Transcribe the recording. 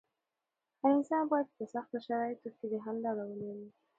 هر انسان بايد په سختو شرايطو کې د حل لاره ولري.